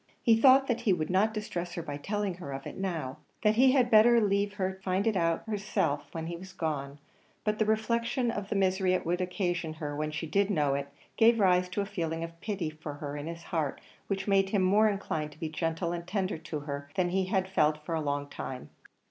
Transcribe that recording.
He thought that he would not distress her by telling her of it now that he had better leave her to find it out herself after he was gone; but the reflection of the misery it would occasion her when she did know it, gave rise to a feeling of pity for her in his heart, which made him more inclined to be gentle and tender to her than he had felt for a long time.